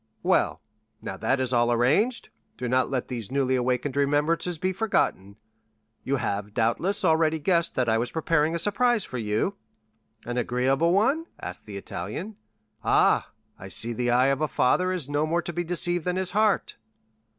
"Well, now that all is arranged, do not let these newly awakened remembrances be forgotten. You have, doubtless, already guessed that I was preparing a surprise for you?" "An agreeable one?" asked the Italian. "Ah, I see the eye of a father is no more to be deceived than his heart."